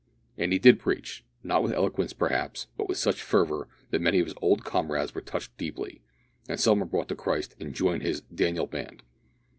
And he did preach, not with eloquence, perhaps, but with such fervour that many of his old comrades were touched deeply, and some were brought to Christ and joined his "Daniel Band."